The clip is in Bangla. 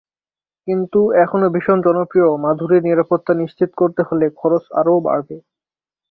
কিন্তু এখনো ভীষণ জনপ্রিয় মাধুরীর নিরাপত্তা নিশ্চিত করতে হলে খরচ আরও বাড়বে।